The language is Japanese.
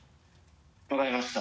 分かりました。